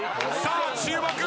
さあ注目。